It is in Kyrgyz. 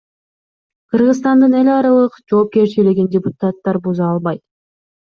Кыргызстандын эл аралык жоопкерчилигин депутаттар буза албайт.